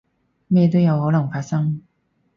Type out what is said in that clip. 咩都有可能發生